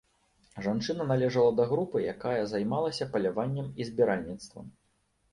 Жанчына належала да групы, якая займалася паляваннем і збіральніцтвам.